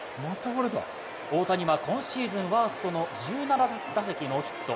大谷は今シーズンワーストの１７打席ノーヒット。